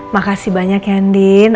makasih banyak ya andin